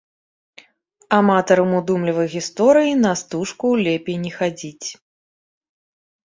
Аматарам удумлівай гісторыі на стужку лепей не хадзіць.